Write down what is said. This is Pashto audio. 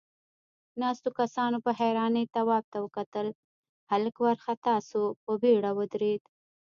ناستو کسانوپه حيرانۍ تواب ته وکتل، هلک وارخطا شو، په بيړه ودرېد.